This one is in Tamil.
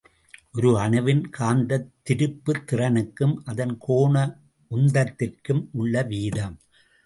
ஒர் அணுவின் காந்தத் திருப்புத் திறனுக்கும் அதன் கோண உந்தத்திற்கும் உள்ள வீதம்.